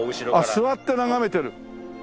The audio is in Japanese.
ああ座って眺めてる！